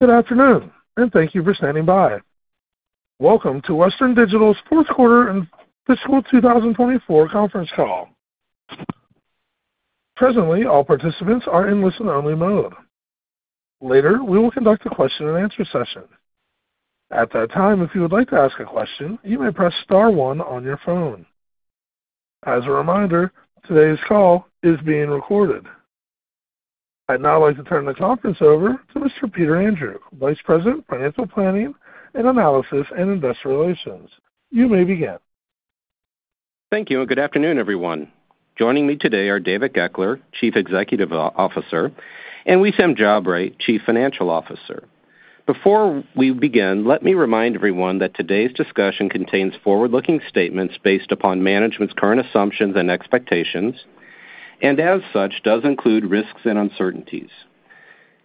Good afternoon, and thank you for standing by. Welcome to Western Digital's fourth quarter and fiscal 2024 conference call. Presently, all participants are in listen-only mode. Later, we will conduct a question-and-answer session. At that time, if you would like to ask a question, you may press star one on your phone. As a reminder, today's call is being recorded. I'd now like to turn the conference over to Mr. Peter Andrew, Vice President, Financial Planning and Analysis and Investor Relations. You may begin. Thank you, and good afternoon, everyone. Joining me today are David Goeckeler, Chief Executive Officer, and Wissam Jabre, Chief Financial Officer. Before we begin, let me remind everyone that today's discussion contains forward-looking statements based upon management's current assumptions and expectations, and as such, does include risks and uncertainties.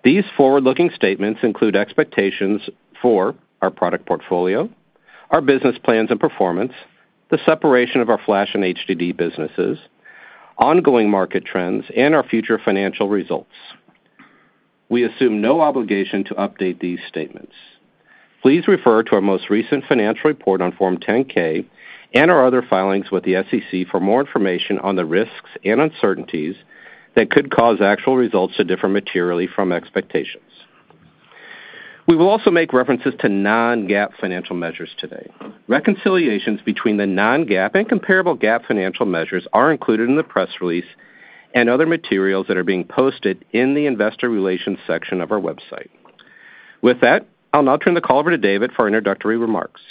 These forward-looking statements include expectations for our product portfolio, our business plans and performance, the separation of our flash and HDD businesses, ongoing market trends, and our future financial results. We assume no obligation to update these statements. Please refer to our most recent financial report on Form 10-K and our other filings with the SEC for more information on the risks and uncertainties that could cause actual results to differ materially from expectations. We will also make references to non-GAAP financial measures today. Reconciliations between the non-GAAP and comparable GAAP financial measures are included in the press release and other materials that are being posted in the investor relations section of our website. With that, I'll now turn the call over to David for introductory remarks.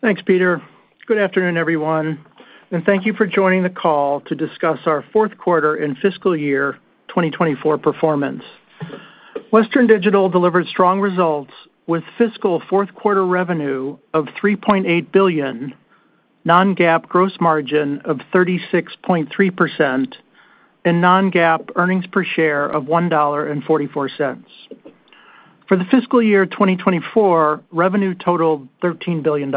Thanks, Peter. Good afternoon, everyone, and thank you for joining the call to discuss our fourth quarter and fiscal year 2024 performance. Western Digital delivered strong results with fiscal fourth quarter revenue of $3.8 billion, Non-GAAP gross margin of 36.3%, and Non-GAAP earnings per share of $1.44. For the fiscal year 2024, revenue totaled $13 billion.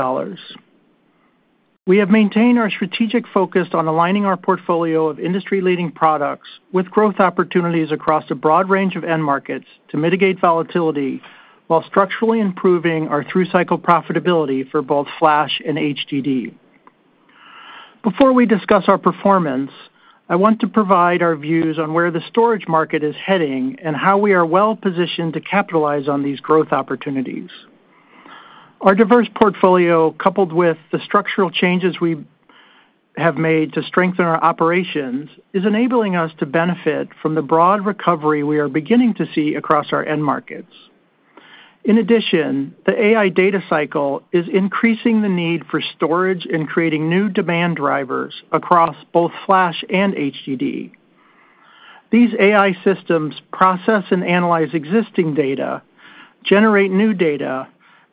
We have maintained our strategic focus on aligning our portfolio of industry-leading products with growth opportunities across a broad range of end markets to mitigate volatility while structurally improving our through-cycle profitability for both flash and HDD. Before we discuss our performance, I want to provide our views on where the storage market is heading and how we are well-positioned to capitalize on these growth opportunities. Our diverse portfolio, coupled with the structural changes we have made to strengthen our operations, is enabling us to benefit from the broad recovery we are beginning to see across our end markets. In addition, the AI data cycle is increasing the need for storage and creating new demand drivers across both flash and HDD. These AI systems process and analyze existing data, generate new data,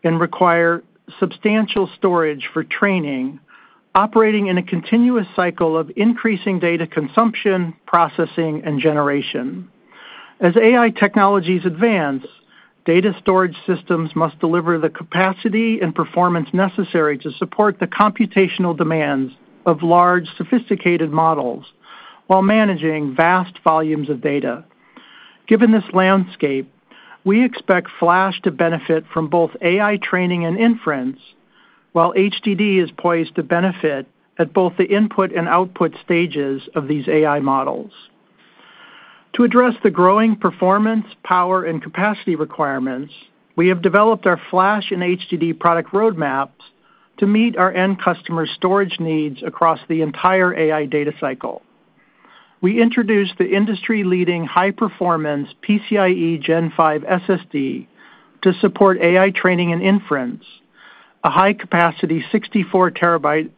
and require substantial storage for training, operating in a continuous cycle of increasing data consumption, processing, and generation. As AI technologies advance, data storage systems must deliver the capacity and performance necessary to support the computational demands of large, sophisticated models while managing vast volumes of data. Given this landscape, we expect flash to benefit from both AI training and inference, while HDD is poised to benefit at both the input and output stages of these AI models. To address the growing performance, power, and capacity requirements, we have developed our flash and HDD product roadmaps to meet our end customer storage needs across the entire AI data cycle. We introduced the industry-leading high-performance PCIe Gen 5 SSD to support AI training and inference, a high-capacity 64 TB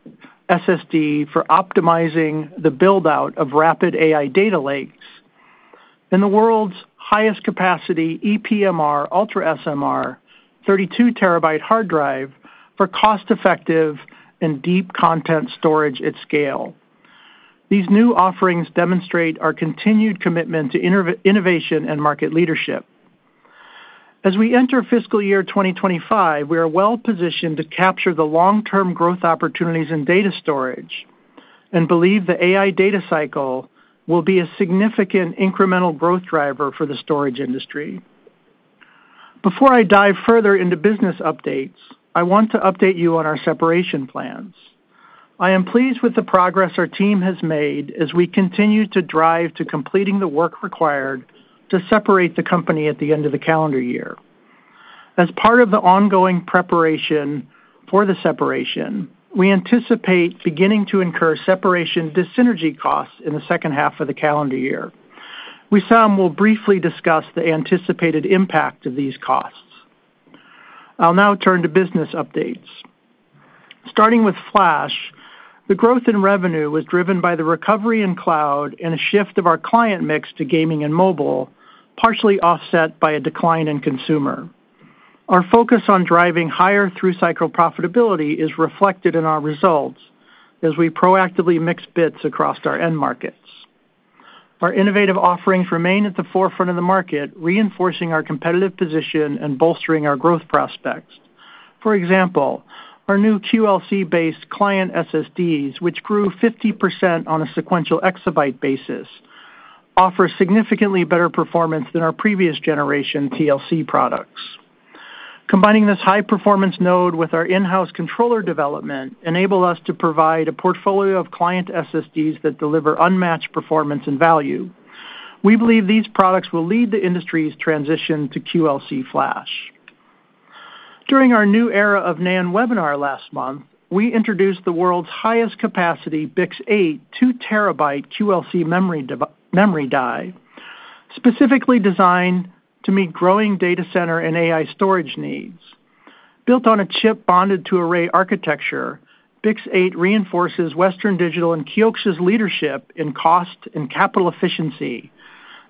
SSD for optimizing the build-out of rapid AI data lakes, and the world's highest capacity ePMR UltraSMR 32 TB hard drive for cost-effective and deep content storage at scale. These new offerings demonstrate our continued commitment to innovation and market leadership. As we enter fiscal year 2025, we are well-positioned to capture the long-term growth opportunities in data storage and believe the AI data cycle will be a significant incremental growth driver for the storage industry. Before I dive further into business updates, I want to update you on our separation plans. I am pleased with the progress our team has made as we continue to drive to completing the work required to separate the company at the end of the calendar year. As part of the ongoing preparation for the separation, we anticipate beginning to incur separation dis-synergy costs in the H2 of the calendar year. Wissam will briefly discuss the anticipated impact of these costs. I'll now turn to business updates. Starting with flash, the growth in revenue was driven by the recovery in cloud and a shift of our client mix to gaming and mobile, partially offset by a decline in consumer. Our focus on driving higher through-cycle profitability is reflected in our results as we proactively mix bits across our end markets. Our innovative offerings remain at the forefront of the market, reinforcing our competitive position and bolstering our growth prospects. For example, our new QLC-based client SSDs, which grew 50% on a sequential exabyte basis, offer significantly better performance than our previous generation TLC products. Combining this high-performance node with our in-house controller development enables us to provide a portfolio of client SSDs that deliver unmatched performance and value. We believe these products will lead the industry's transition to QLC flash. During our new era of NAND webinar last month, we introduced the world's highest capacity BiCS8 2-TB QLC memory die, specifically designed to meet growing data center and AI storage needs. Built on a chip bonded to array architecture, BiCS8 reinforces Western Digital and Kioxia's leadership in cost and capital efficiency,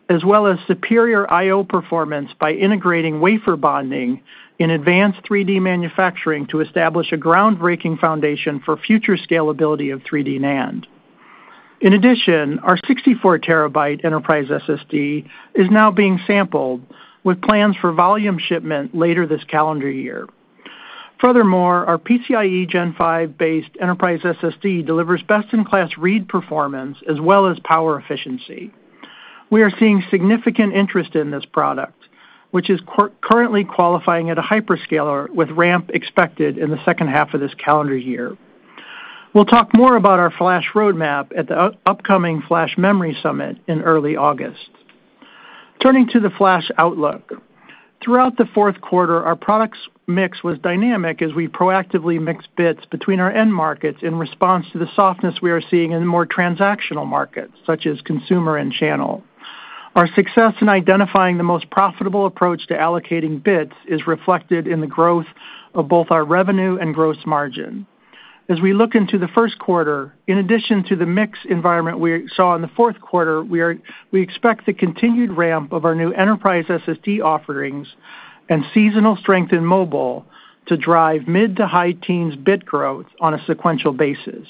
as well as superior I/O performance by integrating wafer bonding in advanced 3D manufacturing to establish a groundbreaking foundation for future scalability of 3D NAND. In addition, our 64 TB Enterprise SSD is now being sampled with plans for volume shipment later this calendar year. Furthermore, our PCIe Gen 5-based Enterprise SSD delivers best-in-class read performance as well as power efficiency. We are seeing significant interest in this product, which is currently qualifying at a hyperscaler with ramp expected in the H2 of this calendar year. We'll talk more about our flash roadmap at the upcoming Flash Memory Summit in early August. Turning to the flash outlook, throughout the fourth quarter, our product mix was dynamic as we proactively mixed bits between our end markets in response to the softness we are seeing in the more transactional markets, such as consumer and channel. Our success in identifying the most profitable approach to allocating bits is reflected in the growth of both our revenue and gross margin. As we look into the Q1, in addition to the mix environment we saw in the fourth quarter, we expect the continued ramp of our new enterprise SSD offerings and seasonal strength in mobile to drive mid- to high-teens bit growth on a sequential basis.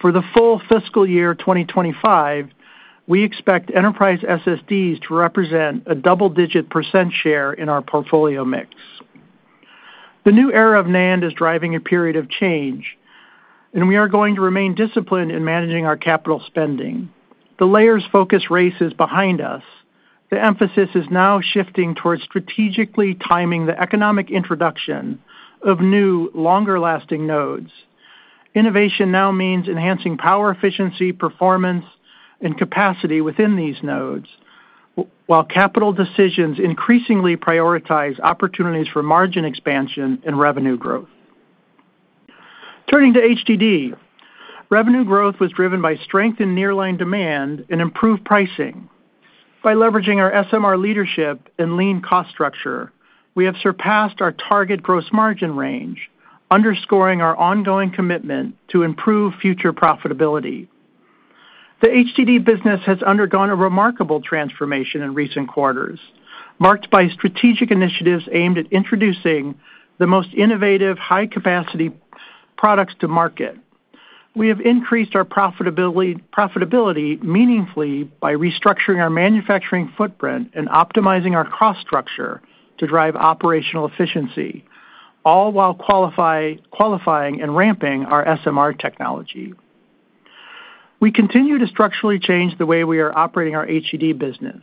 For the full fiscal year 2025, we expect enterprise SSDs to represent a double-digit % share in our portfolio mix. The new era of NAND is driving a period of change, and we are going to remain disciplined in managing our capital spending. The layer focus race is behind us. The emphasis is now shifting towards strategically timing the economic introduction of new, longer-lasting nodes. Innovation now means enhancing power efficiency, performance, and capacity within these nodes, while capital decisions increasingly prioritize opportunities for margin expansion and revenue growth. Turning to HDD, revenue growth was driven by strength in nearline demand and improved pricing. By leveraging our SMR leadership and lean cost structure, we have surpassed our target gross margin range, underscoring our ongoing commitment to improve future profitability. The HDD business has undergone a remarkable transformation in recent quarters, marked by strategic initiatives aimed at introducing the most innovative, high-capacity products to market. We have increased our profitability meaningfully by restructuring our manufacturing footprint and optimizing our cost structure to drive operational efficiency, all while qualifying and ramping our SMR technology. We continue to structurally change the way we are operating our HDD business.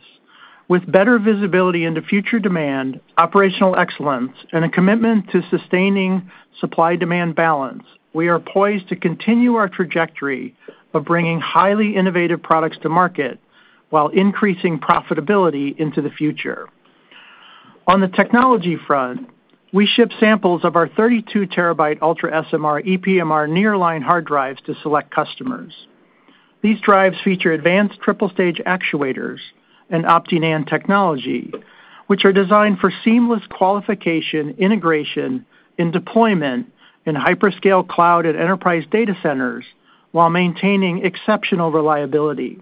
With better visibility into future demand, operational excellence, and a commitment to sustaining supply-demand balance, we are poised to continue our trajectory of bringing highly innovative products to market while increasing profitability into the future. On the technology front, we ship samples of our 32 TB Ultra SMR ePMR nearline hard drives to select customers. These drives feature advanced triple-stage actuators and OptiNAND technology, which are designed for seamless qualification, integration, and deployment in hyperscale cloud and enterprise data centers while maintaining exceptional reliability.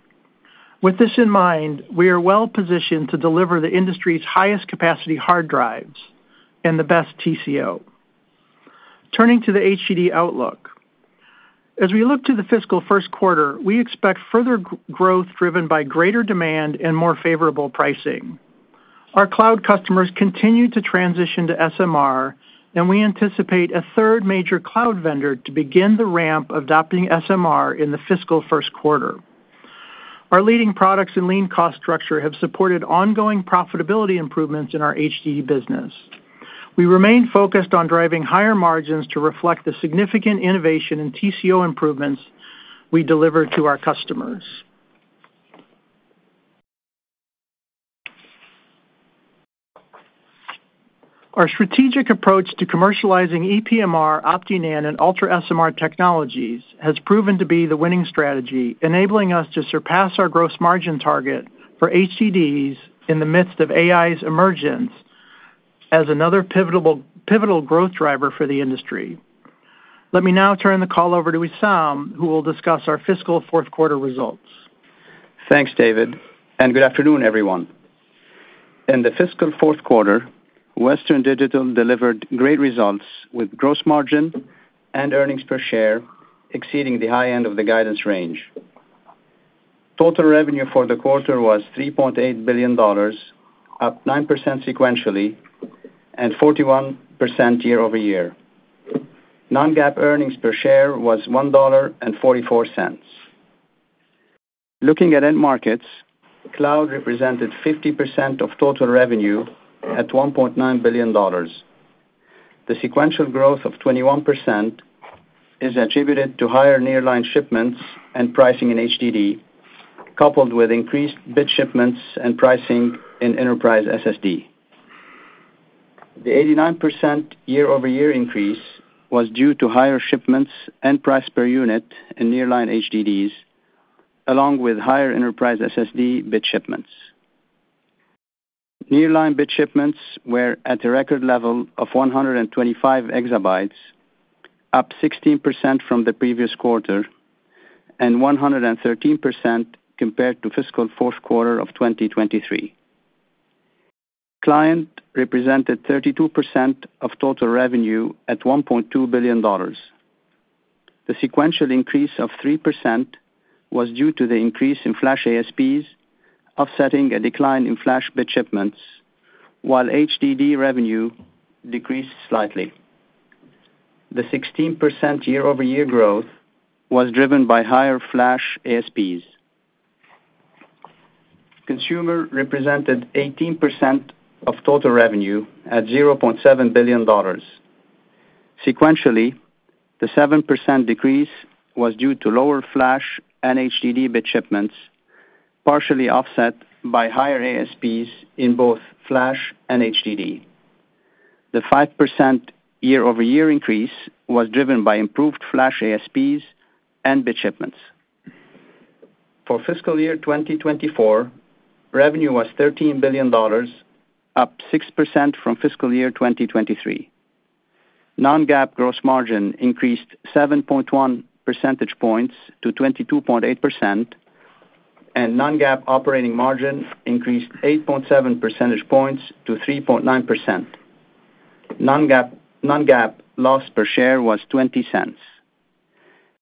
With this in mind, we are well-positioned to deliver the industry's highest capacity hard drives and the best TCO. Turning to the HDD outlook, as we look to the fiscal Q1, we expect further growth driven by greater demand and more favorable pricing. Our cloud customers continue to transition to SMR, and we anticipate a third major cloud vendor to begin the ramp of adopting SMR in the fiscal Q1. Our leading products and lean cost structure have supported ongoing profitability improvements in our HDD business. We remain focused on driving higher margins to reflect the significant innovation and TCO improvements we deliver to our customers. Our strategic approach to commercializing ePMR, OptiNAND, and Ultra SMR technologies has proven to be the winning strategy, enabling us to surpass our gross margin target for HDDs in the midst of AI's emergence as another pivotal growth driver for the industry. Let me now turn the call over to Wissam, who will discuss our fiscal fourth quarter results. Thanks, David, and good afternoon, everyone. In the fiscal fourth quarter, Western Digital delivered great results with gross margin and earnings per share exceeding the high end of the guidance range. Total revenue for the quarter was $3.8 billion, up 9% sequentially and 41% quarter-over-quarter. Non-GAAP earnings per share was $1.44. Looking at end markets, cloud represented 50% of total revenue at $1.9 billion. The sequential growth of 21% is attributed to higher nearline shipments and pricing in HDD, coupled with increased bit shipments and pricing in enterprise SSD. The 89% quarter-over-quarter increase was due to higher shipments and price per unit in nearline HDDs, along with higher enterprise SSD bit shipments. Nearline bit shipments were at a record level of 125 exabytes, up 16% from the previous quarter and 113% compared to fiscal fourth quarter of 2023. Client represented 32% of total revenue at $1.2 billion. The sequential increase of 3% was due to the increase in flash ASPs, offsetting a decline in flash bit shipments, while HDD revenue decreased slightly. The 16% quarter-over-quarter growth was driven by higher flash ASPs. Consumer represented 18% of total revenue at $0.7 billion. Sequentially, the 7% decrease was due to lower flash and HDD bit shipments, partially offset by higher ASPs in both flash and HDD. The 5% quarter-over-quarter increase was driven by improved flash ASPs and bit shipments. For fiscal year 2024, revenue was $13 billion, up 6% from fiscal year 2023. Non-GAAP gross margin increased 7.1 percentage points to 22.8%, and non-GAAP operating margin increased 8.7 percentage points to 3.9%. Non-GAAP loss per share was $0.20.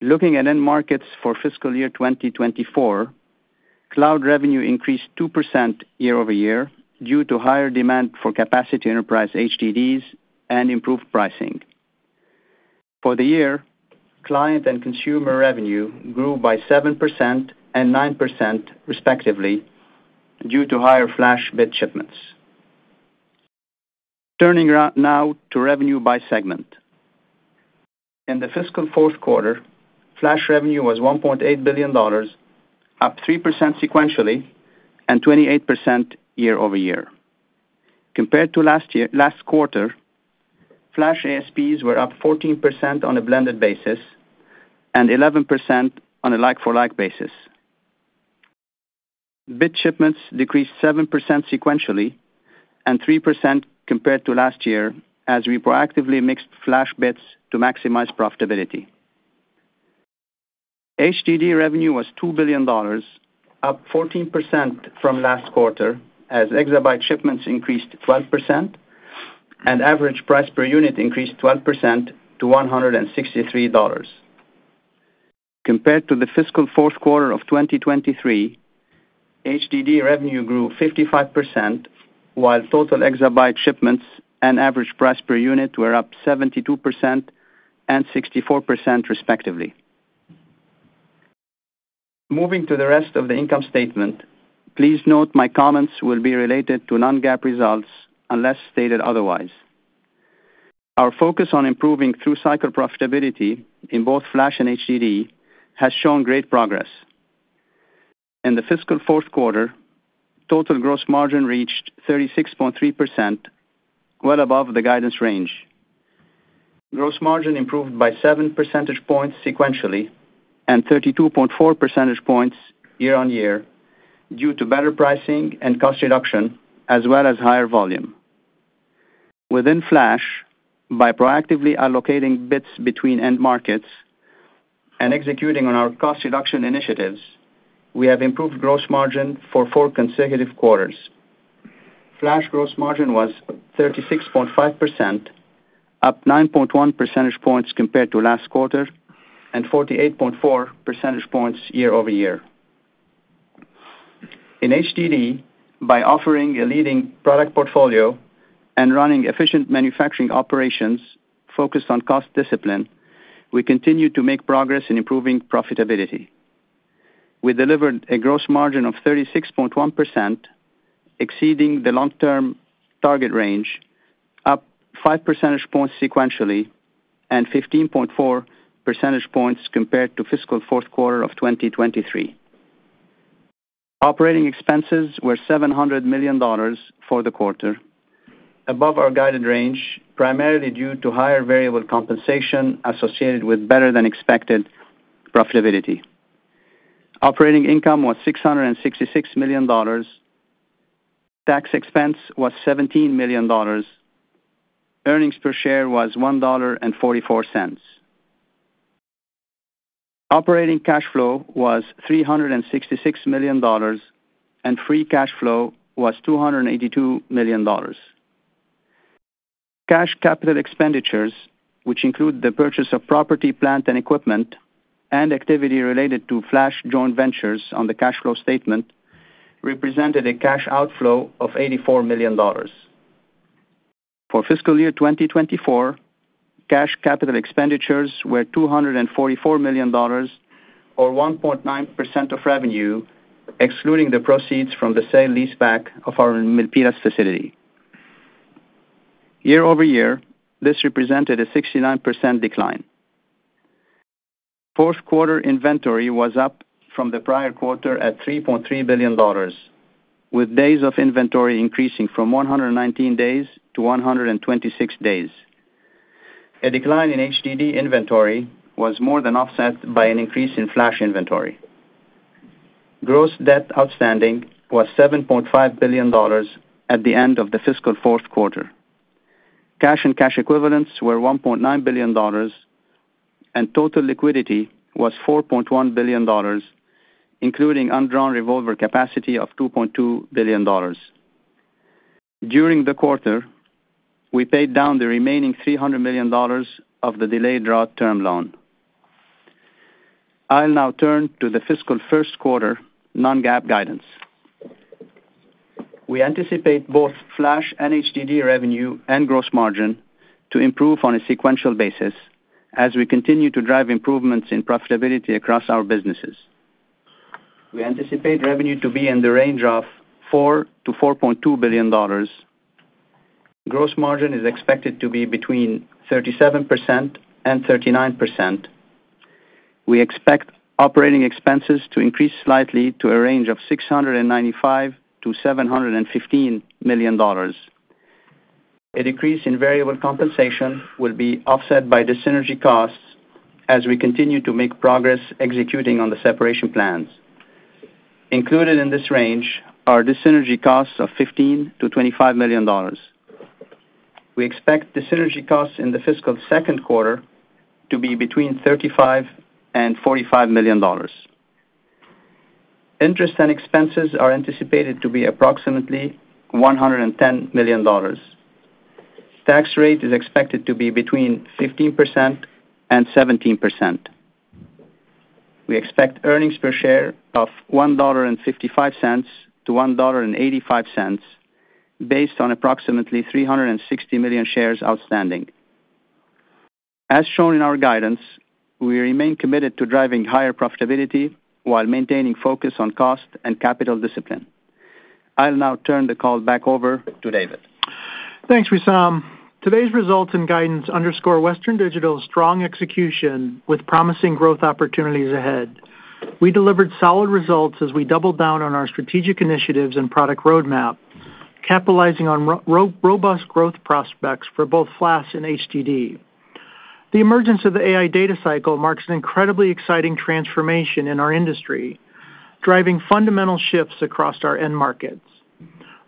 Looking at end markets for fiscal year 2024, cloud revenue increased 2% quarter-over-quarter due to higher demand for capacity enterprise HDDs and improved pricing. For the year, client and consumer revenue grew by 7% and 9%, respectively, due to higher flash bit shipments. Turning now to revenue by segment. In the fiscal fourth quarter, flash revenue was $1.8 billion, up 3% sequentially and 28% quarter-over-quarter. Compared to last quarter, flash ASPs were up 14% on a blended basis and 11% on a like-for-like basis. Bit shipments decreased 7% sequentially and 3% compared to last year as we proactively mixed flash bits to maximize profitability. HDD revenue was $2 billion, up 14% from last quarter as exabyte shipments increased 12% and average price per unit increased 12% to $163. Compared to the fiscal fourth quarter of 2023, HDD revenue grew 55%, while total exabyte shipments and average price per unit were up 72% and 64%, respectively. Moving to the rest of the income statement, please note my comments will be related to Non-GAAP results unless stated otherwise. Our focus on improving through-cycle profitability in both flash and HDD has shown great progress. In the fiscal fourth quarter, total gross margin reached 36.3%, well above the guidance range. Gross margin improved by 7 percentage points sequentially and 32.4 percentage points year-on-year due to better pricing and cost reduction, as well as higher volume. Within flash, by proactively allocating bits between end markets and executing on our cost reduction initiatives, we have improved gross margin for four consecutive quarters. Flash gross margin was 36.5%, up 9.1 percentage points compared to last quarter and 48.4 percentage points quarter-over-quarter. In HDD, by offering a leading product portfolio and running efficient manufacturing operations focused on cost discipline, we continue to make progress in improving profitability. We delivered a gross margin of 36.1%, exceeding the long-term target range, up 5 percentage points sequentially and 15.4 percentage points compared to fiscal fourth quarter of 2023. Operating expenses were $700 million for the quarter, above our guided range, primarily due to higher variable compensation associated with better-than-expected profitability. Operating income was $666 million. Tax expense was $17 million. Earnings per share was $1.44. Operating cash flow was $366 million, and free cash flow was $282 million. Cash capital expenditures, which include the purchase of property, plant, and equipment, and activity related to flash joint ventures on the cash flow statement, represented a cash outflow of $84 million. For fiscal year 2024, cash capital expenditures were $244 million, or 1.9% of revenue, excluding the proceeds from the sale-leaseback of our Milpitas facility. Year-over-year, this represented a 69% decline. Fourth quarter inventory was up from the prior quarter at $3.3 billion, with days of inventory increasing from 119 days to 126 days. A decline in HDD inventory was more than offset by an increase in flash inventory. Gross debt outstanding was $7.5 billion at the end of the fiscal fourth quarter. Cash and cash equivalents were $1.9 billion, and total liquidity was $4.1 billion, including undrawn revolver capacity of $2.2 billion. During the quarter, we paid down the remaining $300 million of the delayed draw term loan. I'll now turn to the fiscal Q1 non-GAAP guidance. We anticipate both flash and HDD revenue and gross margin to improve on a sequential basis as we continue to drive improvements in profitability across our businesses. We anticipate revenue to be in the range of $4-$4.2 billion. Gross margin is expected to be between 37% and 39%. We expect operating expenses to increase slightly to a range of $695-$715 million. A decrease in variable compensation will be offset by the synergy costs as we continue to make progress executing on the separation plans. Included in this range are the synergy costs of $15-$25 million. We expect the synergy costs in the fiscal Q2 to be between $35-$45 million. Interest and expenses are anticipated to be approximately $110 million. Tax rate is expected to be between 15%-17%. We expect earnings per share of $1.55-$1.85 based on approximately 360 million shares outstanding. As shown in our guidance, we remain committed to driving higher profitability while maintaining focus on cost and capital discipline. I'll now turn the call back over to David. Thanks, Wissam. Today's results and guidance underscore Western Digital's strong execution with promising growth opportunities ahead. We delivered solid results as we doubled down on our strategic initiatives and product roadmap, capitalizing on robust growth prospects for both flash and HDD. The emergence of the AI data cycle marks an incredibly exciting transformation in our industry, driving fundamental shifts across our end markets.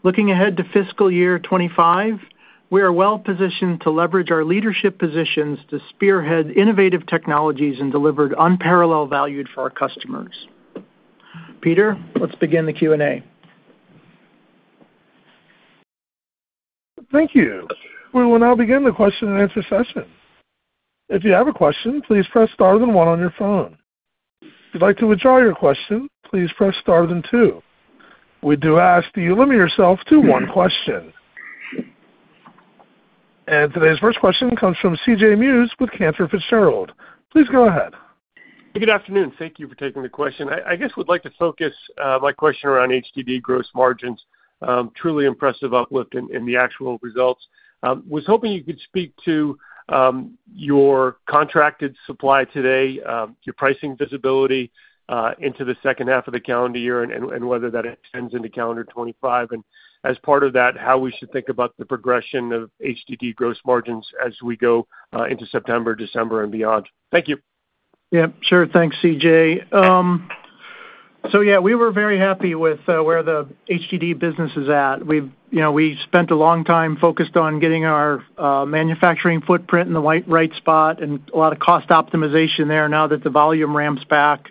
Looking ahead to fiscal year 2025, we are well-positioned to leverage our leadership positions to spearhead innovative technologies and deliver unparallel value for our customers. Peter, let's begin the Q&A. Thank you. We will now begin the question and answer session. If you have a question, please press star then one on your phone. If you'd like to withdraw your question, please press star then two. We do ask that you limit yourself to one question. Today's first question comes from C.J. Muse with Cantor Fitzgerald. Please go ahead. Good afternoon. Thank you for taking the question. I guess I would like to focus my question around HDD gross margins. Truly impressive uplift in the actual results. I was hoping you could speak to your contracted supply today, your pricing visibility into the H2 of the calendar year and whether that extends into calendar 2025. And as part of that, how we should think about the progression of HDD gross margins as we go into September, December, and beyond. Thank you. Yeah, sure. Thanks, C.J. So yeah, we were very happy with where the HDD business is at. We spent a long time focused on getting our manufacturing footprint in the right spot and a lot of cost optimization there. Now that the volume ramps back,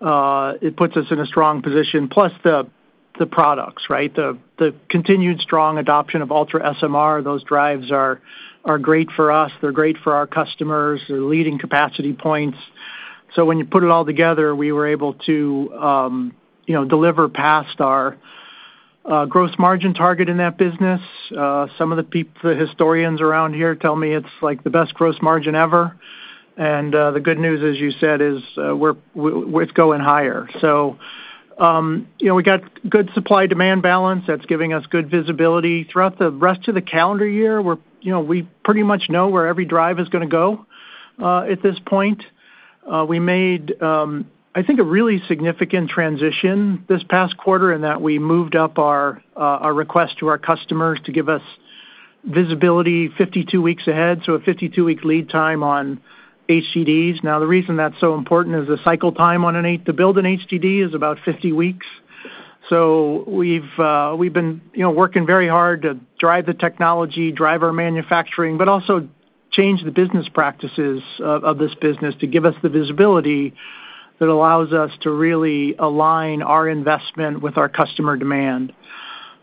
it puts us in a strong position. Plus the products, right? The continued strong adoption of Ultra SMR, those drives are great for us. They're great for our customers. They're leading capacity points. So when you put it all together, we were able to deliver past our gross margin target in that business. Some of the historians around here tell me it's like the best gross margin ever. And the good news, as you said, is it's going higher. So we got good supply-demand balance. That's giving us good visibility. Throughout the rest of the calendar year, we pretty much know where every drive is going to go at this point. We made, I think, a really significant transition this past quarter in that we moved up our request to our customers to give us visibility 52 weeks ahead. So a 52-week lead time on HDDs. Now, the reason that's so important is the cycle time on an eight to build an HDD is about 50 weeks. So we've been working very hard to drive the technology, drive our manufacturing, but also change the business practices of this business to give us the visibility that allows us to really align our investment with our customer demand.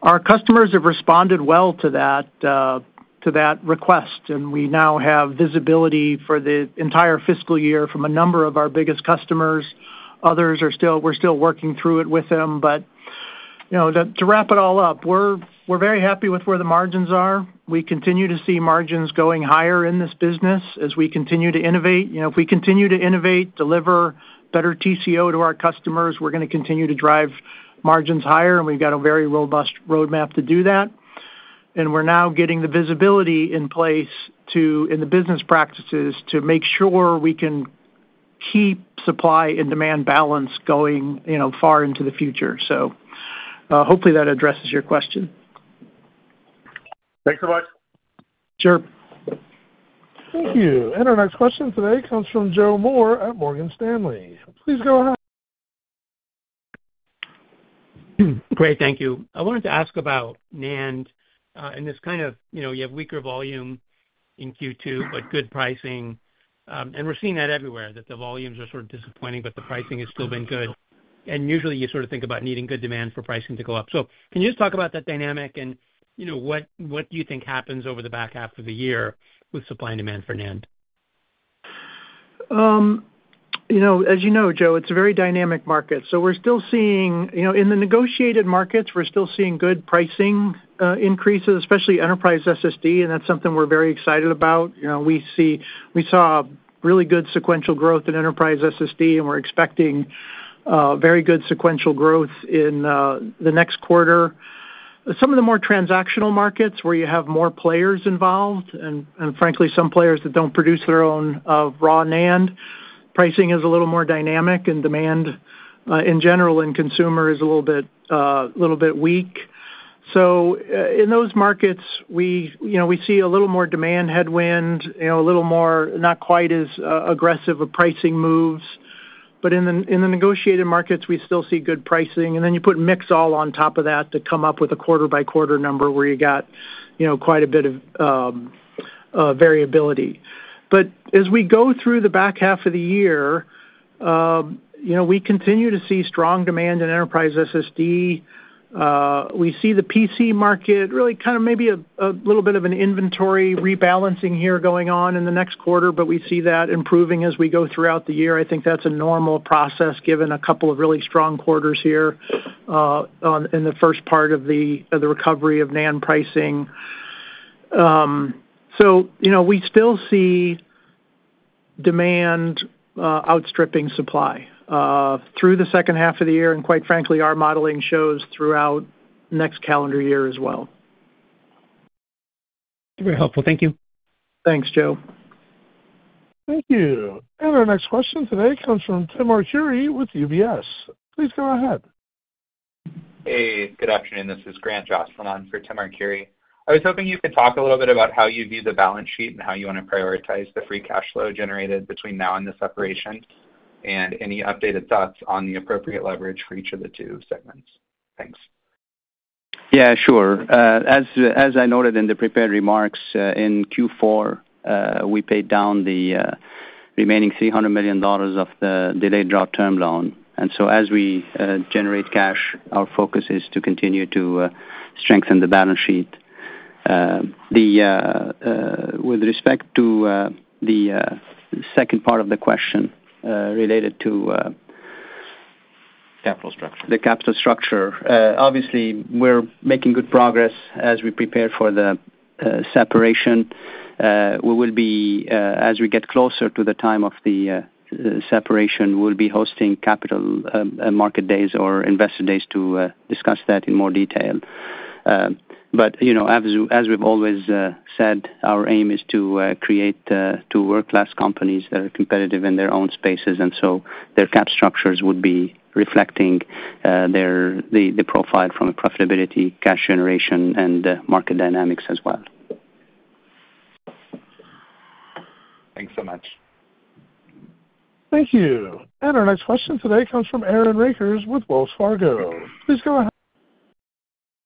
Our customers have responded well to that request, and we now have visibility for the entire fiscal year from a number of our biggest customers. Others are still, we're still working through it with them. To wrap it all up, we're very happy with where the margins are. We continue to see margins going higher in this business as we continue to innovate. If we continue to innovate, deliver better TCO to our customers, we're going to continue to drive margins higher, and we've got a very robust roadmap to do that. We're now getting the visibility in place in the business practices to make sure we can keep supply and demand balance going far into the future. Hopefully that addresses your question. Thanks so much. Sure. Thank you. Our next question today comes from Joe Moore at Morgan Stanley. Please go ahead. Great. Thank you. I wanted to ask about NAND and this kind of, you have weaker volume in Q2, but good pricing. We're seeing that everywhere, that the volumes are sort of disappointing, but the pricing has still been good. Usually, you sort of think about needing good demand for pricing to go up. So can you just talk about that dynamic and what do you think happens over the back half of the year with supply and demand for NAND? As you know, Joe, it's a very dynamic market. So we're still seeing in the negotiated markets, we're still seeing good pricing increases, especially Enterprise SSD, and that's something we're very excited about. We saw really good sequential growth in Enterprise SSD, and we're expecting very good sequential growth in the next quarter. Some of the more transactional markets where you have more players involved, and frankly, some players that don't produce their own raw NAND, pricing is a little more dynamic, and demand in general in consumer is a little bit weak. So in those markets, we see a little more demand headwind, a little more, not quite as aggressive of pricing moves. But in the negotiated markets, we still see good pricing. And then you put mix all on top of that to come up with a quarter-by-quarter number where you got quite a bit of variability. But as we go through the back half of the year, we continue to see strong demand in enterprise SSD. We see the PC market really kind of maybe a little bit of an inventory rebalancing here going on in the next quarter, but we see that improving as we go throughout the year. I think that's a normal process given a couple of really strong quarters here in the first part of the recovery of NAND pricing. So we still see demand outstripping supply through the H2 of the year, and quite frankly, our modeling shows throughout next calendar year as well. Very helpful. Thank you. Thanks, Joe. Thank you. And our next question today comes from Tim Arcuri with UBS. Please go ahead. Hey, good afternoon. This is Grant Juergens for Tim Arcuri. I was hoping you could talk a little bit about how you view the balance sheet and how you want to prioritize the free cash flow generated between now and the separation and any updated thoughts on the appropriate leverage for each of the two segments. Thanks. Yeah, sure. As I noted in the prepared remarks, in Q4, we paid down the remaining $300 million of the delayed draw term loan. And so as we generate cash, our focus is to continue to strengthen the balance sheet. With respect to the second part of the question related to. Capital structure. The capital structure. Obviously, we're making good progress as we prepare for the separation. As we get closer to the time of the separation, we'll be hosting capital market days or investor days to discuss that in more detail. But as we've always said, our aim is to create two world-class companies that are competitive in their own spaces, and so their cap structures would be reflecting the profile from a profitability, cash generation, and market dynamics as well. Thanks so much. Thank you. Our next question today comes from Aaron Rakers with Wells Fargo. Please go ahead.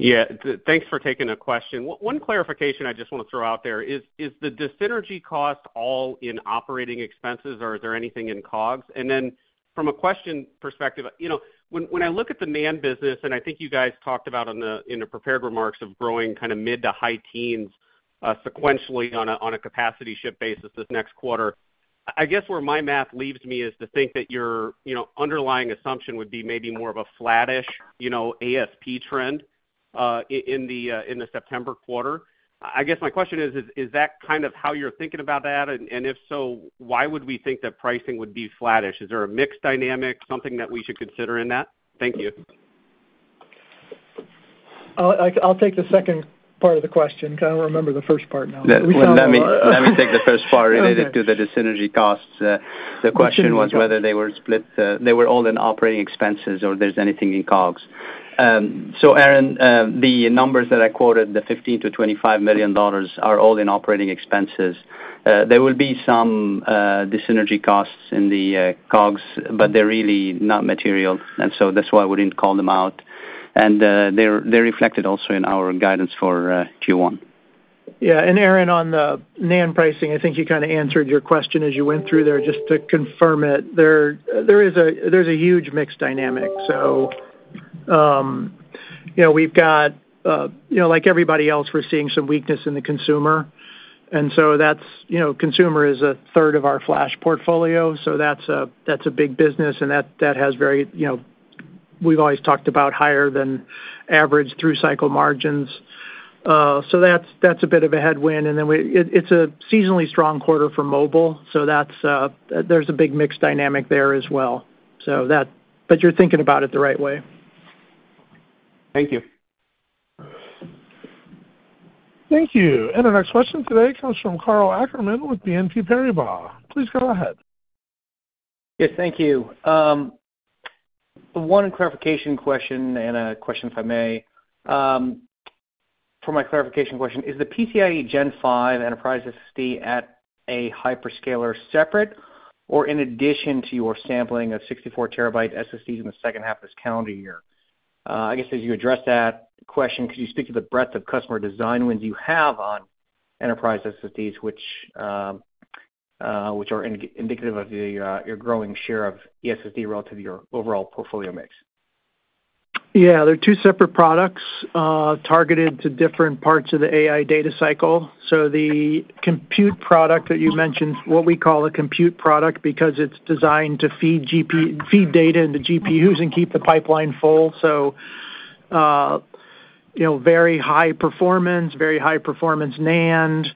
Yeah. Thanks for taking a question. One clarification I just want to throw out there is, is the synergy cost all in operating expenses, or is there anything in COGS? And then from a question perspective, when I look at the NAND business, and I think you guys talked about in the prepared remarks of growing kind of mid- to high-teens sequentially on a capacity ship basis this next quarter, I guess where my math leaves me is to think that your underlying assumption would be maybe more of a flattish ASP trend in the September quarter. I guess my question is, is that kind of how you're thinking about that? And if so, why would we think that pricing would be flattish? Is there a mixed dynamic, something that we should consider in that? Thank you. I'll take the second part of the question. I don't remember the first part now. Let me take the first part related to the synergy costs. The question was whether they were split, they were all in operating expenses or there's anything in COGS. So Aaron, the numbers that I quoted, the $15-$25 million are all in operating expenses. There will be some synergy costs in the COGS, but they're really not material. And so that's why I wouldn't call them out. And they're reflected also in our guidance for Q1. Yeah. And Aaron, on the NAND pricing, I think you kind of answered your question as you went through there. Just to confirm it, there is a huge mixed dynamic. So we've got, like everybody else, we're seeing some weakness in the consumer. And so consumer is a third of our flash portfolio. So that's a big business, and that has very, we've always talked about higher than average through cycle margins. So that's a bit of a headwind. And then it's a seasonally strong quarter for mobile. So there's a big mixed dynamic there as well. But you're thinking about it the right way. Thank you. Thank you. Our next question today comes from Karl Ackerman with BNP Paribas. Please go ahead. Yes, thank you. One clarification question and a question, if I may, for my clarification question. Is the PCIe Gen 5 enterprise-class SSD at a hyperscaler separate or in addition to your sampling of 64 TB SSDs in the H2 of this calendar year? I guess as you address that question, could you speak to the breadth of customer design wins you have on enterprise SSDs, which are indicative of your growing share of ESSD relative to your overall portfolio mix? Yeah. They're two separate products targeted to different parts of the AI data cycle. So the compute product that you mentioned, what we call a compute product because it's designed to feed data into GPUs and keep the pipeline full. So very high performance, very high performance NAND.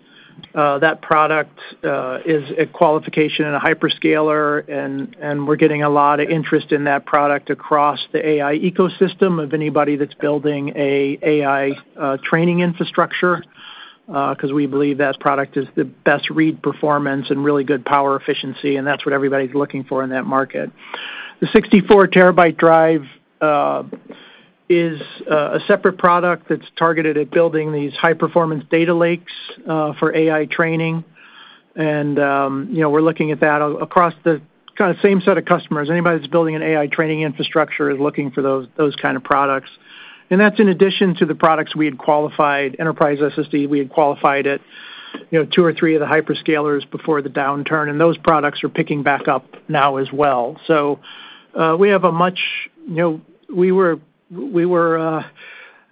That product is a qualification in a hyperscaler, and we're getting a lot of interest in that product across the AI ecosystem of anybody that's building an AI training infrastructure because we believe that product is the best read performance and really good power efficiency, and that's what everybody's looking for in that market. The 64 TB drive is a separate product that's targeted at building these high-performance data lakes for AI training. And we're looking at that across the kind of same set of customers. Anybody that's building an AI training infrastructure is looking for those kind of products. That's in addition to the products we had qualified enterprise SSD. We had qualified two or three of the hyperscalers before the downturn, and those products are picking back up now as well. So we were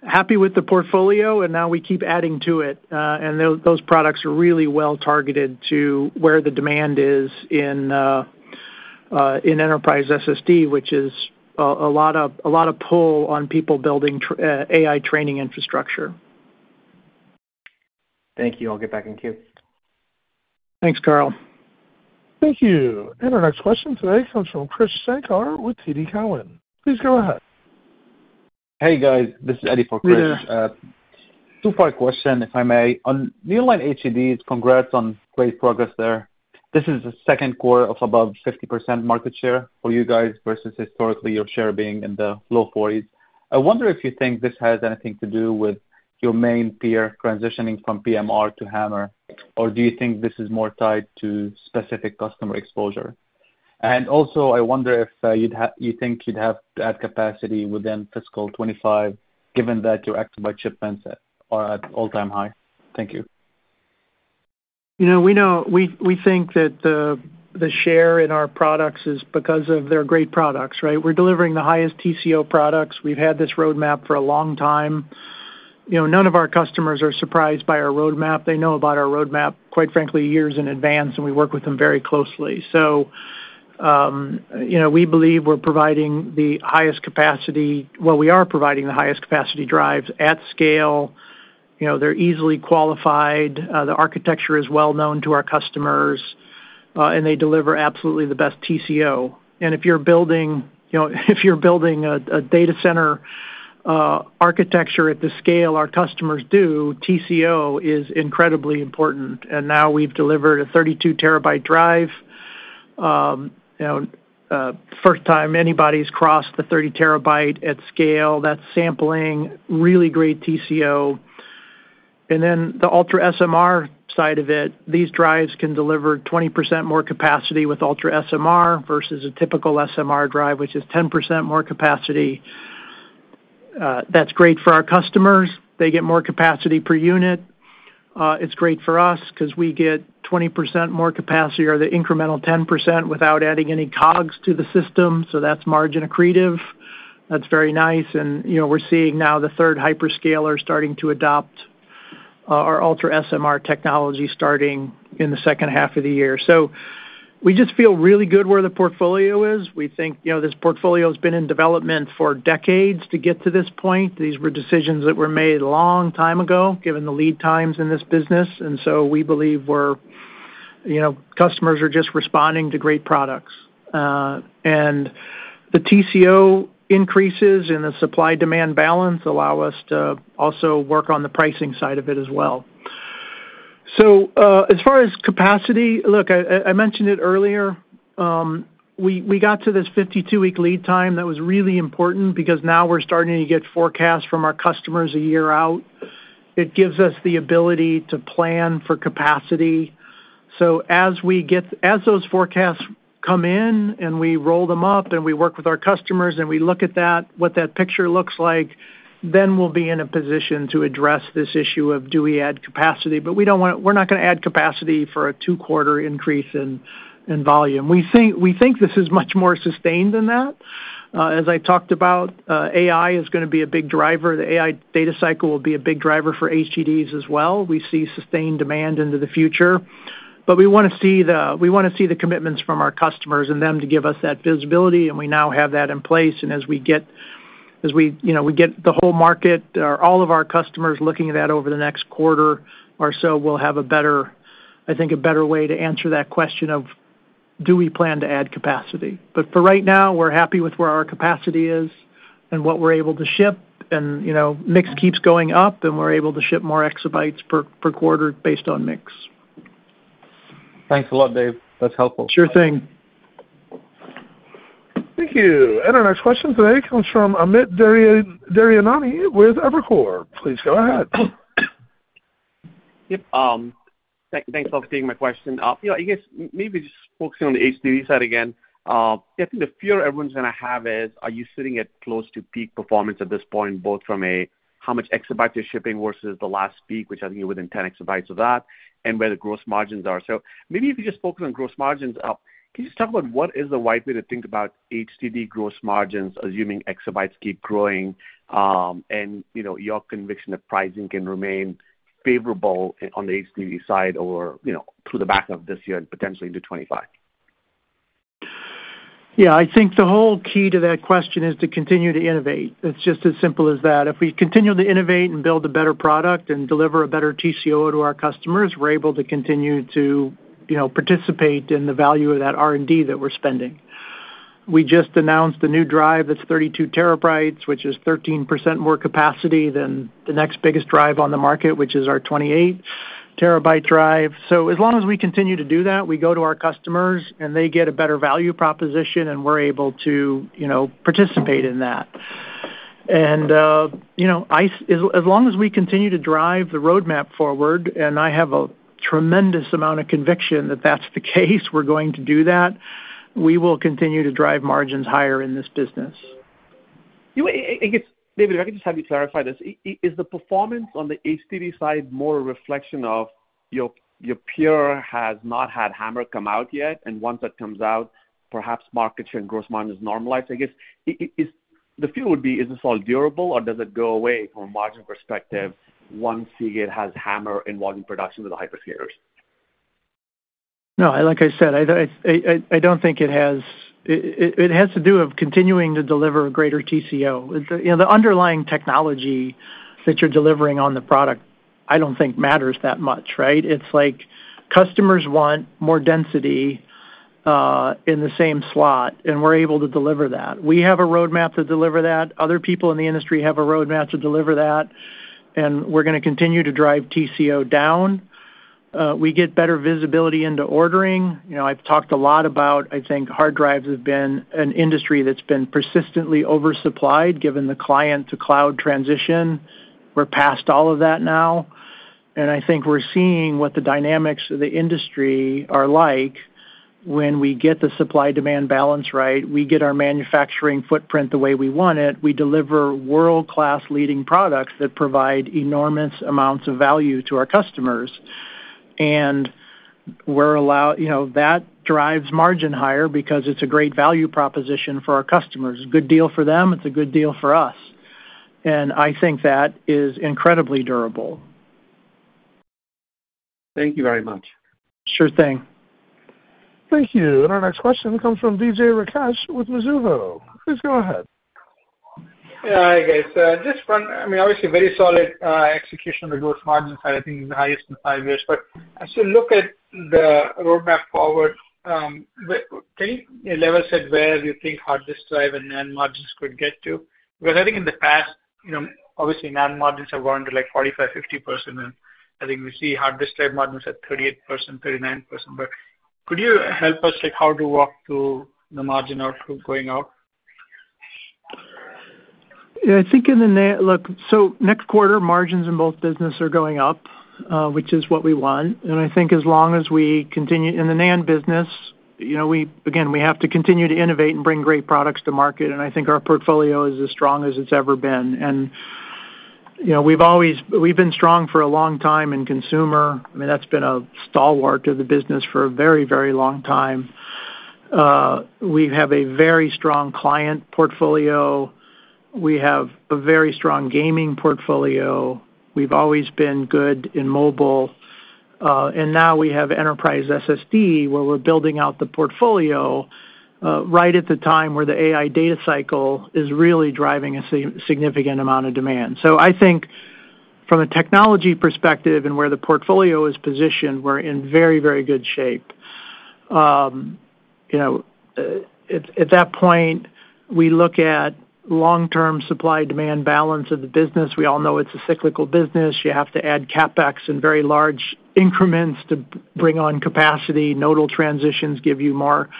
happy with the portfolio, and now we keep adding to it. Those products are really well targeted to where the demand is in enterprise SSD, which is a lot of pull on people building AI training infrastructure. Thank you. I'll get back in queue. Thanks, Karl. Thank you. And our next question today comes from Krish Sankar with TD Cowen. Please go ahead. Hey, guys. This is Eddie for Krish. Hello. Two-part question, if I may. On Nearline HDDs, congrats on great progress there. This is the Q2 of above 50% market share for you guys versus historically your share being in the low 40s. I wonder if you think this has anything to do with your main peer transitioning from PMR to HAMR, or do you think this is more tied to specific customer exposure? And also, I wonder if you think you'd have that capacity within fiscal 2025, given that your exabyte shipments are at all-time high? Thank you. We think that the share in our products is because of their great products, right? We're delivering the highest TCO products. We've had this roadmap for a long time. None of our customers are surprised by our roadmap. They know about our roadmap, quite frankly, years in advance, and we work with them very closely. So we believe we're providing the highest capacity, well, we are providing the highest capacity drives at scale. They're easily qualified. The architecture is well known to our customers, and they deliver absolutely the best TCO. And if you're building a data center architecture at the scale our customers do, TCO is incredibly important. And now we've delivered a 32 TB drive. First time anybody's crossed the 30 TB at scale. That's sampling, really great TCO. And then the Ultra SMR side of it, these drives can deliver 20% more capacity with Ultra SMR versus a typical SMR drive, which is 10% more capacity. That's great for our customers. They get more capacity per unit. It's great for us because we get 20% more capacity or the incremental 10% without adding any COGS to the system. So that's margin accretive. That's very nice. And we're seeing now the third hyperscaler starting to adopt our Ultra SMR technology starting in the H2 of the year. So we just feel really good where the portfolio is. We think this portfolio has been in development for decades to get to this point. These were decisions that were made a long time ago, given the lead times in this business. And so we believe customers are just responding to great products. The TCO increases in the supply-demand balance allow us to also work on the pricing side of it as well. So as far as capacity, look, I mentioned it earlier. We got to this 52-week lead time that was really important because now we're starting to get forecasts from our customers a year out. It gives us the ability to plan for capacity. So as those forecasts come in and we roll them up and we work with our customers and we look at what that picture looks like, then we'll be in a position to address this issue of do we add capacity. But we're not going to add capacity for a 2-quarter increase in volume. We think this is much more sustained than that. As I talked about, AI is going to be a big driver. The AI data cycle will be a big driver for HDDs as well. We see sustained demand into the future. But we want to see the commitments from our customers and them to give us that visibility. And we now have that in place. And as we get the whole market, all of our customers looking at that over the next quarter or so, we'll have, I think, a better way to answer that question of do we plan to add capacity. But for right now, we're happy with where our capacity is and what we're able to ship. And mix keeps going up, and we're able to ship more exabytes per quarter based on mix. Thanks a lot, Dave. That's helpful. Sure thing. Thank you. Our next question today comes from Amit Daryanani with Evercore. Please go ahead. Yep. Thanks for taking my question. I guess maybe just focusing on the HDD side again. I think the fear everyone's going to have is, are you sitting at close to peak performance at this point, both from how much exabytes you're shipping versus the last week, which I think you're within 10 exabytes of that, and where the gross margins are? So maybe if you just focus on gross margins, can you just talk about what is the right way to think about HDD gross margins, assuming exabytes keep growing, and your conviction that pricing can remain favorable on the HDD side over through the back of this year and potentially into 2025? Yeah. I think the whole key to that question is to continue to innovate. It's just as simple as that. If we continue to innovate and build a better product and deliver a better TCO to our customers, we're able to continue to participate in the value of that R&D that we're spending. We just announced the new drive that's 32 TB, which is 13% more capacity than the next biggest drive on the market, which is our 28 TB drive. So as long as we continue to do that, we go to our customers, and they get a better value proposition, and we're able to participate in that. And as long as we continue to drive the roadmap forward, and I have a tremendous amount of conviction that that's the case, we're going to do that, we will continue to drive margins higher in this business. I guess, David, if I could just have you clarify this. Is the performance on the HDD side more a reflection of your peer has not had HAMR come out yet, and once that comes out, perhaps market share and gross margins normalize? I guess the fear would be, is this all durable, or does it go away from a margin perspective once you get HAMR involved in production with the hyperscalers? No. Like I said, I don't think it has to do with continuing to deliver a greater TCO. The underlying technology that you're delivering on the product, I don't think matters that much, right? It's like customers want more density in the same slot, and we're able to deliver that. We have a roadmap to deliver that. Other people in the industry have a roadmap to deliver that. And we're going to continue to drive TCO down. We get better visibility into ordering. I've talked a lot about, I think, hard drives have been an industry that's been persistently oversupplied given the client-to-cloud transition. We're past all of that now. And I think we're seeing what the dynamics of the industry are like when we get the supply-demand balance right. We get our manufacturing footprint the way we want it. We deliver world-class leading products that provide enormous amounts of value to our customers. That drives margin higher because it's a great value proposition for our customers. Good deal for them. It's a good deal for us. I think that is incredibly durable. Thank you very much. Sure thing. Thank you. Our next question comes from Vijay Rakesh with Mizuho. Please go ahead. Yeah. I guess just from, I mean, obviously, very solid execution of the gross margin side. I think it's the highest in five years. But as you look at the roadmap forward, can you level set where you think hard disk drive and NAND margins could get to? Because I think in the past, obviously, NAND margins have grown to like 45%-50%. And I think we see hard disk drive margins at 38%-39%. But could you help us how to walk through the margin outlook going out? Yeah. I think, look, so next quarter, margins in both business are going up, which is what we want. I think as long as we continue in the NAND business, again, we have to continue to innovate and bring great products to market. I think our portfolio is as strong as it's ever been. We've been strong for a long time in consumer. I mean, that's been a stalwart of the business for a very, very long time. We have a very strong client portfolio. We have a very strong gaming portfolio. We've always been good in mobile. Now we have enterprise SSD where we're building out the portfolio right at the time where the AI data cycle is really driving a significant amount of demand. So I think from a technology perspective and where the portfolio is positioned, we're in very, very good shape. At that point, we look at long-term supply-demand balance of the business. We all know it's a cyclical business. You have to add CapEx in very large increments to bring on capacity. Nodal transitions give you more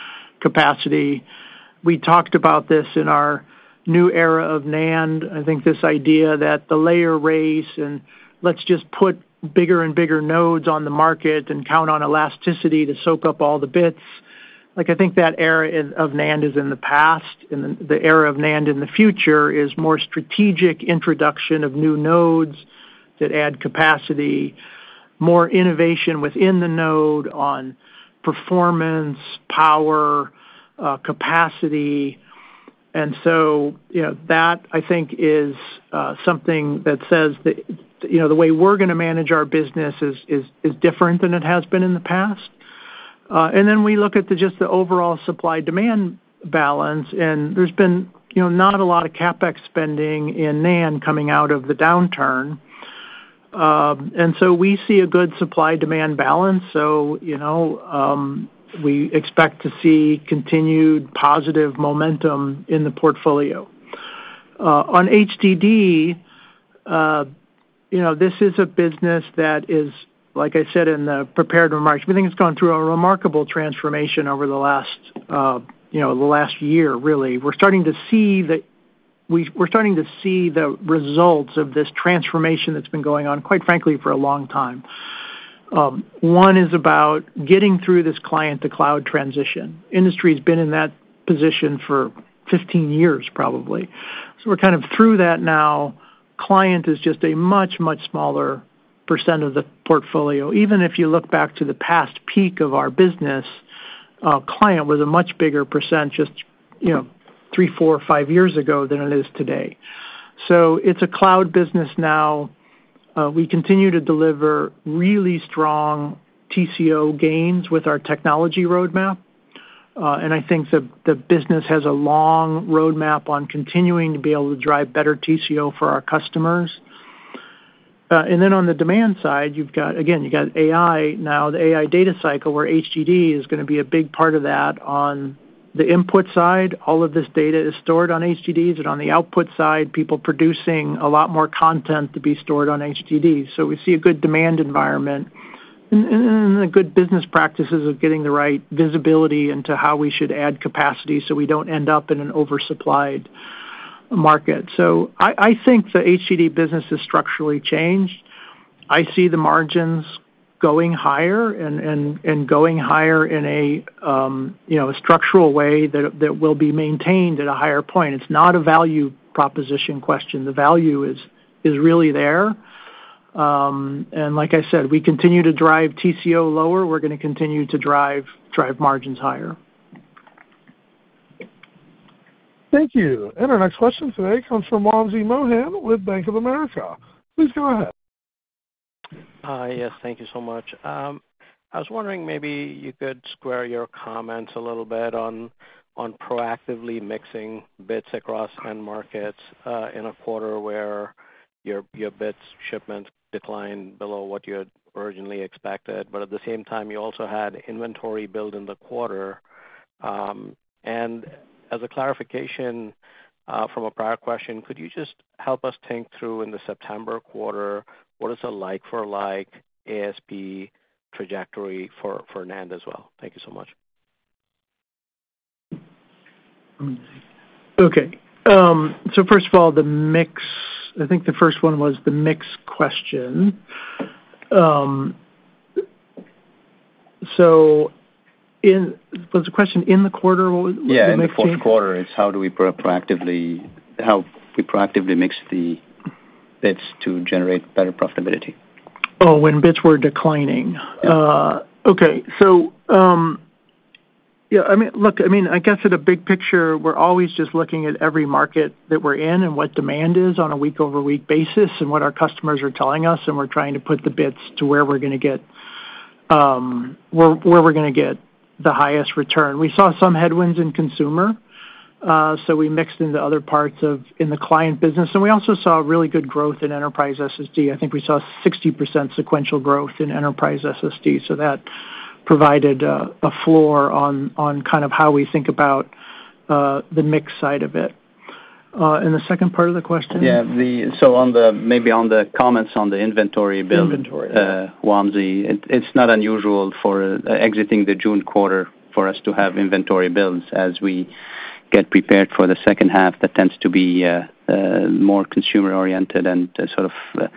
capacity. We talked about this in our new era of NAND. I think this idea that the layer race and let's just put bigger and bigger nodes on the market and count on elasticity to soak up all the bits. I think that era of NAND is in the past. The era of NAND in the future is more strategic introduction of new nodes that add capacity, more innovation within the node on performance, power, capacity. And so that, I think, is something that says the way we're going to manage our business is different than it has been in the past. And then we look at just the overall supply-demand balance. There's been not a lot of CapEx spending in NAND coming out of the downturn. So we see a good supply-demand balance. So we expect to see continued positive momentum in the portfolio. On HDD, this is a business that is, like I said in the prepared remarks, we think it's gone through a remarkable transformation over the last year, really. We're starting to see the results of this transformation that's been going on, quite frankly, for a long time. One is about getting through this client-to-cloud transition. Industry has been in that position for 15 years, probably. So we're kind of through that now. Client is just a much, much smaller percent of the portfolio. Even if you look back to the past peak of our business, client was a much bigger percent just 3, 4, 5 years ago than it is today. So it's a cloud business now. We continue to deliver really strong TCO gains with our technology roadmap. I think the business has a long roadmap on continuing to be able to drive better TCO for our customers. Then on the demand side, again, you got AI now, the AI data cycle where HDD is going to be a big part of that. On the input side, all of this data is stored on HDDs. On the output side, people producing a lot more content to be stored on HDDs. So we see a good demand environment and the good business practices of getting the right visibility into how we should add capacity so we don't end up in an oversupplied market. So I think the HDD business has structurally changed. I see the margins going higher and going higher in a structural way that will be maintained at a higher point. It's not a value proposition question. The value is really there. And like I said, we continue to drive TCO lower. We're going to continue to drive margins higher. Thank you. Our next question today comes from Wamsi Mohan with Bank of America. Please go ahead. Hi. Yes. Thank you so much. I was wondering maybe you could square your comments a little bit on proactively mixing bits across end markets in a quarter where your bits' shipments declined below what you had originally expected. But at the same time, you also had inventory build in the quarter. And as a clarification from a prior question, could you just help us think through in the September quarter, what is a like-for-like ASP trajectory for NAND as well? Thank you so much. Okay. So first of all, I think the first one was the mix question. So was the question in the quarter? What was the mixing? Yeah. The fourth quarter is how do we proactively mix the bits to generate better profitability? Oh, when bits were declining. Okay. So yeah. I mean, look, I mean, I guess in a big picture, we're always just looking at every market that we're in and what demand is on a week-over-week basis and what our customers are telling us. And we're trying to put the bits to where we're going to get where we're going to get the highest return. We saw some headwinds in consumer. So we mixed in the other parts in the client business. And we also saw really good growth in enterprise SSD. I think we saw 60% sequential growth in enterprise SSD. So that provided a floor on kind of how we think about the mix side of it. And the second part of the question? Yeah. So maybe on the comments on the inventory build, Wamsi, it's not unusual for exiting the June quarter for us to have inventory builds as we get prepared for the H2 that tends to be more consumer-oriented and sort of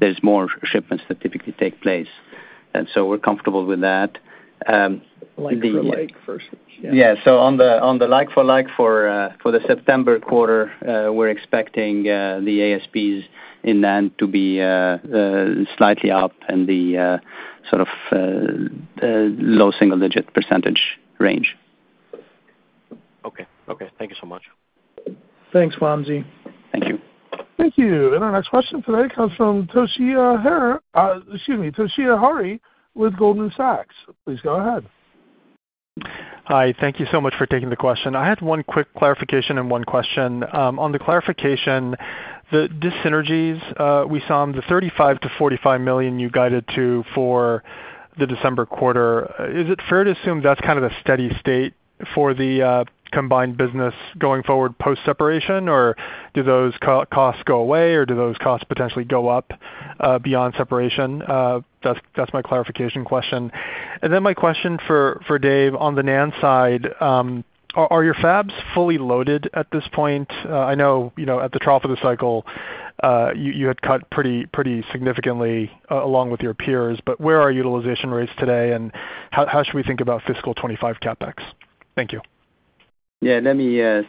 there's more shipments that typically take place. And so we're comfortable with that. Like-for-like versus. Yeah. So on the like-for-like for the September quarter, we're expecting the ASPs in NAND to be slightly up in the sort of low single-digit % range. Okay. Okay. Thank you so much. Thanks, Wamsi. Thank you. Thank you. Our next question today comes from Toshiya Hari, excuse me, Toshiya Hari with Goldman Sachs. Please go ahead. Hi. Thank you so much for taking the question. I had one quick clarification and one question. On the clarification, the synergies we saw on the $35 million-$45 million you guided to for the December quarter, is it fair to assume that's kind of a steady state for the combined business going forward post-separation? Or do those costs go away? Or do those costs potentially go up beyond separation? That's my clarification question. And then my question for Dave on the NAND side, are your fabs fully loaded at this point? I know at the trough of the cycle, you had cut pretty significantly along with your peers. But where are utilization rates today? And how should we think about fiscal 2025 CapEx? Thank you. Yeah.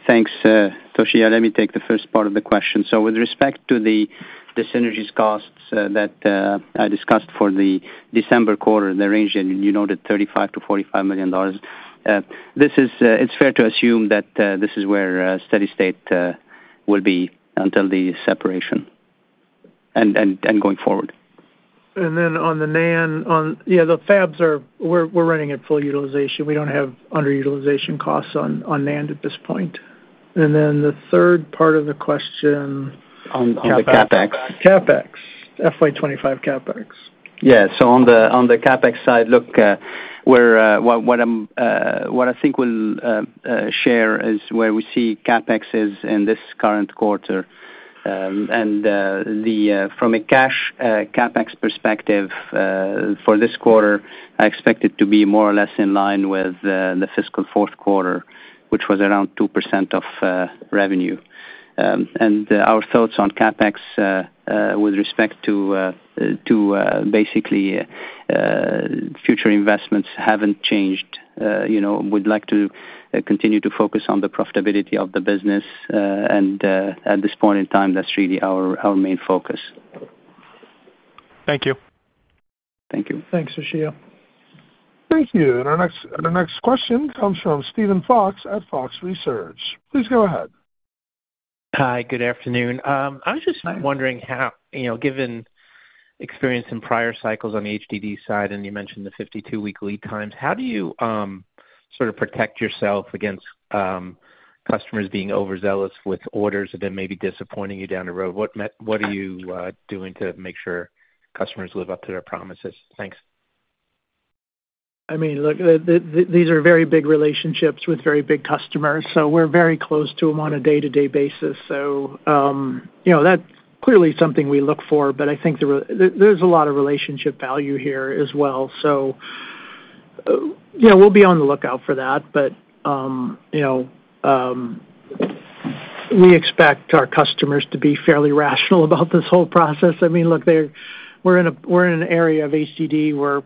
Thanks, Toshiya. Let me take the first part of the question. So with respect to the synergies costs that I discussed for the December quarter, the range that you noted, $35 million-$45 million, it's fair to assume that this is where steady state will be until the separation and going forward. And then on the NAND, yeah, the fabs are, we're running at full utilization. We don't have underutilization costs on NAND at this point. And then the third part of the question. On the CapEx. CapEx. FY2025 CapEx. Yeah. So on the CapEx side, look, what I think we'll share is where we see CapEx is in this current quarter. And from a cash CapEx perspective for this quarter, I expect it to be more or less in line with the fiscal fourth quarter, which was around 2% of revenue. And our thoughts on CapEx with respect to basically future investments haven't changed. We'd like to continue to focus on the profitability of the business. And at this point in time, that's really our main focus. Thank you. Thank you. Thanks, Toshiya. Thank you. Our next question comes from Steven Fox at Fox Advisors. Please go ahead. Hi. Good afternoon. I was just wondering how, given experience in prior cycles on the HDD side, and you mentioned the 52-week lead times, how do you sort of protect yourself against customers being overzealous with orders and then maybe disappointing you down the road? What are you doing to make sure customers live up to their promises? Thanks. I mean, look, these are very big relationships with very big customers. So we're very close to them on a day-to-day basis. So that's clearly something we look for. But I think there's a lot of relationship value here as well. So yeah, we'll be on the lookout for that. But we expect our customers to be fairly rational about this whole process. I mean, look, we're in an area of HDD where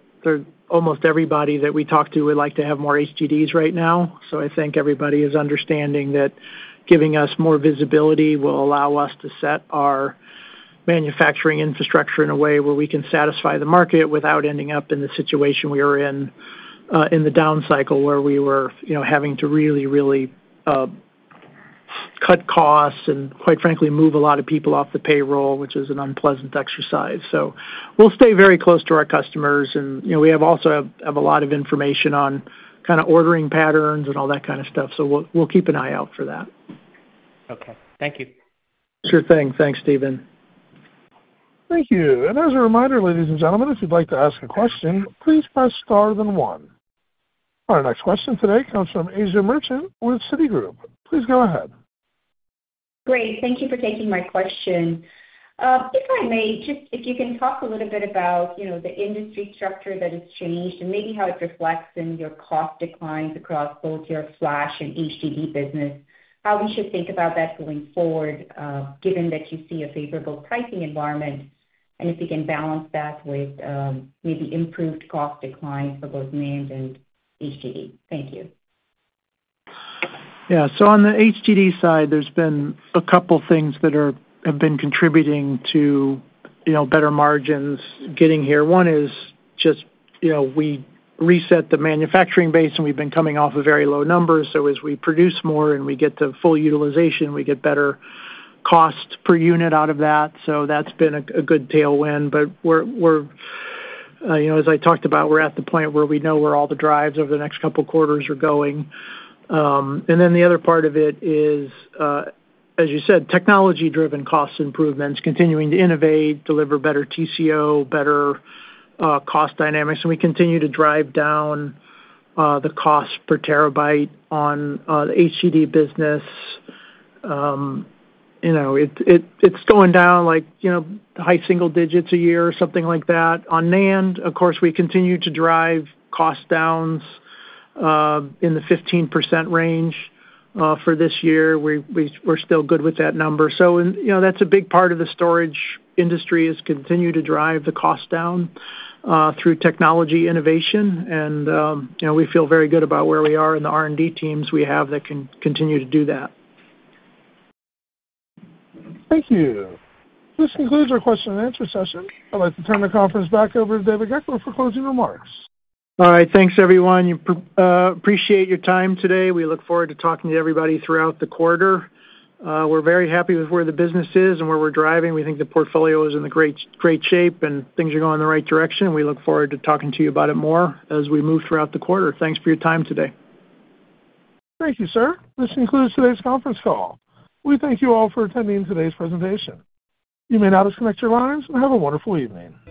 almost everybody that we talk to would like to have more HDDs right now. So I think everybody is understanding that giving us more visibility will allow us to set our manufacturing infrastructure in a way where we can satisfy the market without ending up in the situation we were in the down cycle where we were having to really, really cut costs and, quite frankly, move a lot of people off the payroll, which is an unpleasant exercise. So we'll stay very close to our customers. And we also have a lot of information on kind of ordering patterns and all that kind of stuff. So we'll keep an eye out for that. Okay. Thank you. Sure thing. Thanks, Steven. Thank you. And as a reminder, ladies and gentlemen, if you'd like to ask a question, please press star then one. Our next question today comes from Asiya Merchant with Citigroup. Please go ahead. Great. Thank you for taking my question. If I may, just if you can talk a little bit about the industry structure that has changed and maybe how it reflects in your cost declines across both your flash and HDD business, how we should think about that going forward given that you see a favorable pricing environment and if you can balance that with maybe improved cost declines for both NAND and HDD. Thank you. Yeah. So on the HDD side, there's been a couple of things that have been contributing to better margins getting here. One is just we reset the manufacturing base, and we've been coming off a very low number. So as we produce more and we get to full utilization, we get better cost per unit out of that. So that's been a good tailwind. But as I talked about, we're at the point where we know where all the drives over the next couple of quarters are going. And then the other part of it is, as you said, technology-driven cost improvements, continuing to innovate, deliver better TCO, better cost dynamics. And we continue to drive down the cost per terabyte on the HDD business. It's going down like high single digits a year, something like that. On NAND, of course, we continue to drive cost downs in the 15% range for this year. We're still good with that number. So that's a big part of the storage industry is continue to drive the cost down through technology innovation. And we feel very good about where we are and the R&D teams we have that can continue to do that. Thank you. This concludes our question and answer session. I'd like to turn the conference back over to David Goeckeler for closing remarks. All right. Thanks, everyone. Appreciate your time today. We look forward to talking to everybody throughout the quarter. We're very happy with where the business is and where we're driving. We think the portfolio is in great shape and things are going in the right direction. We look forward to talking to you about it more as we move throughout the quarter. Thanks for your time today. Thank you, sir. This concludes today's conference call. We thank you all for attending today's presentation. You may now disconnect your lines and have a wonderful evening.